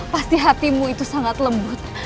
pasti hatimu itu sangat lembut